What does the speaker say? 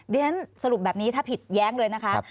เรียนสรุปแบบนี้ถ้าผิดแย้งเลยนะคะ